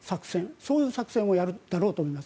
そういう作戦をやるだろうと思います。